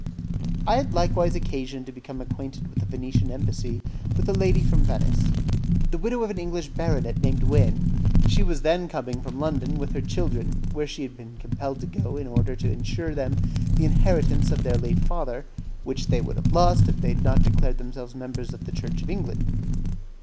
I had likewise occasion to become acquainted at the Venetian Embassy with a lady from Venice, the widow of an English baronet named Wynne. She was then coming from London with her children, where she had been compelled to go in order to insure them the inheritance of their late father, which they would have lost if they had not declared themselves members of the Church of England.